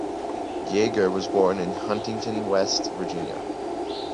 Yeager was born in Huntington, West Virginia.